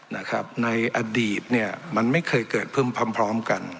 นะครับในอดีตเนี่ยมันไม่เคยเกิดขึ้นพร้อมพร้อมกัน